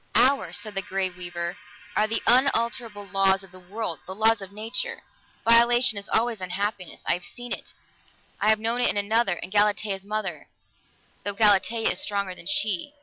"Ours," said the Grey Weaver, "are the unalterable laws of the world, the laws of Nature. Violation is always unhappiness. I have seen it; I have known it in another, in Galatea's mother, though Galatea is stronger than she."